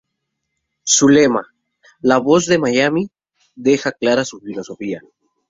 Su lema "La Voz de Miami" deja clara su filosofía.